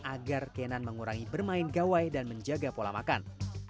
agar kenan mengurangi bermain gawai dan menjaga pola makan